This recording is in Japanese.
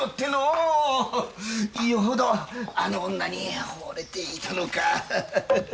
よほどあの女にほれていたのか。